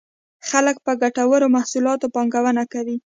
خلک په ګټورو محصولاتو پانګونه کوي.